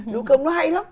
nấu cơm nó hay lắm